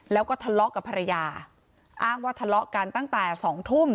แล้วก็ทะเลาะกับภรรยาอ้างว่าทะเลาะกันตั้งแต่สองทุ่ม